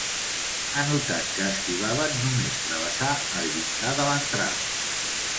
Ha notat que es tibaven només travessar el llindar de l'entrada.